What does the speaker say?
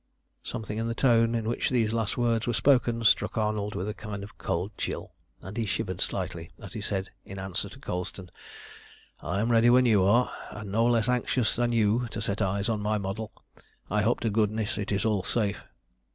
Something in the tone in which these last words were spoken struck Arnold with a kind of cold chill, and he shivered slightly as he said in answer to Colston "I am ready when you are, and no less anxious than you to set eyes on my model. I hope to goodness it is all safe!